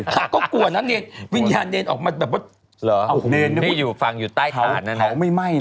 ค่ะก็กลัวน้ำเนรนวิญญาณเนรนออกมาแบบว่าเนรนไม่อยู่ฟังอยู่ใต้ขาดนั้นนะ